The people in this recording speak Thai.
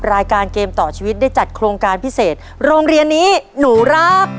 รายการเกมต่อชีวิตได้จัดโครงการพิเศษโรงเรียนนี้หนูรัก